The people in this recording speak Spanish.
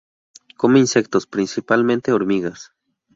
Come insectos, principalmente hormigas.